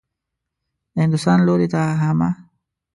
د هندوستان لوري ته حمه.